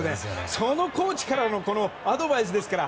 そのコーチからのアドバイスですから。